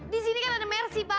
disini kan ada merci pa